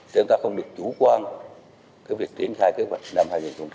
chúng ta không bị chủ quan cái việc triển khai kế hoạch năm hai nghìn một mươi tám